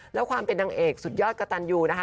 แล้วความเป็นนางเอกสุดยอดกระตันยูนะคะ